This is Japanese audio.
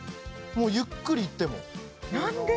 もうゆっくりいっても何で？